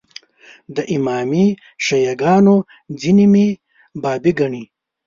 د امامي شیعه ګانو ځینې مې بابي ګڼي.